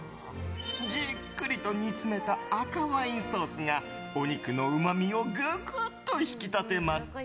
じっくりと煮詰めた赤ワインソースがお肉のうまみをぐぐっと引き立てます。